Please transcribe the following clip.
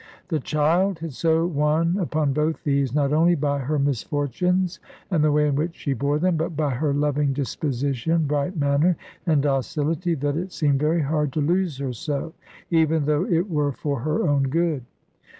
The child had so won upon both these, not only by her misfortunes and the way in which she bore them, but by her loving disposition, bright manner, and docility, that it seemed very hard to lose her so, even though it were for her own good.